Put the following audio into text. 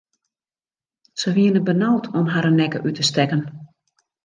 Se wienen benaud om harren nekke út te stekken.